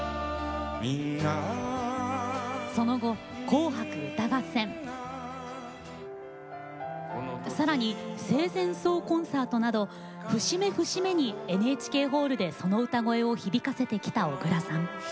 その後、「紅白歌合戦」さらに生前葬コンサートなど節目節目にＮＨＫホールでその歌声を響かせてきた小椋さん。